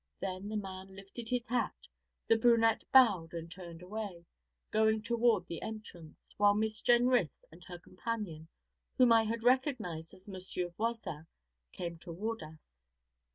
Then the man lifted his hat, the brunette bowed and turned away, going toward the entrance, while Miss Jenrys and her companion, whom I had recognised as Monsieur Voisin, came toward us.